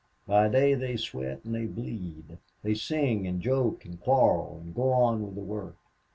By day they sweat and they bleed, they sing and joke and quarrel and go on with the work.